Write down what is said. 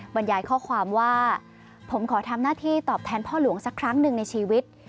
บรรยายข้อความว่าผมขอทำหน้าที่ตอบแทนพ่อหลวงสักครั้งหนึ่งในชีวิต